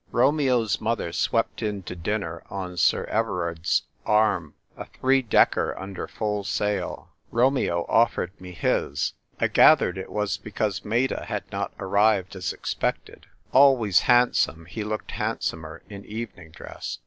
Romeo's mother swept in to dinner on Sir Everard's arm, a three decker under full sail. Romeo offered me his ; I gathered it was because Meta hnJ not arrived as expected. Always handsome, he looked handsomer in evening dress.